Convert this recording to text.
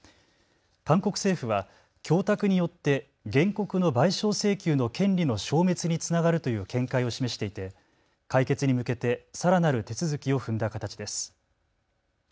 韓国政府は供託によって原告の賠償請求の権利の消滅につながるという見解を示していて解決に向けてさらなる手続きを踏んだ形です。